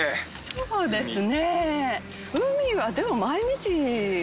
そうですね。